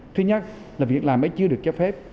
thứ nhất là việc làm ấy chưa được cho phép